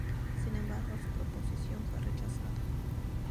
Sin embargo, su proposición fue rechazada.